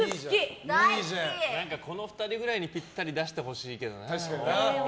この２人ぐらいにぴったり出してほしいけどな。